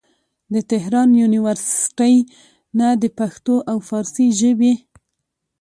د تهران يونيورسټۍ نه د پښتو او فارسي ژبې